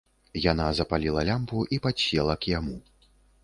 Яна запаліла лямпу і падсела к яму.